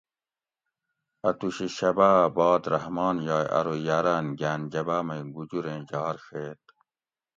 اۤتوشی شباۤ اۤ باد رحمٰن یائ ارو یاۤراۤن گاۤن جباۤ مئ گُجُر ایں جار ڛیت